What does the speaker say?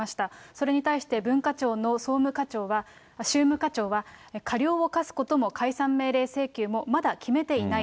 それに対して文化庁の宗務課長は、過料を科すことも解散命令請求もまだ決めていない。